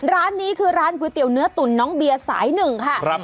ร้านนี้คือร้านก๋วยเตี๋ยวเนื้อตุ๋นน้องเบียร์สายหนึ่งค่ะ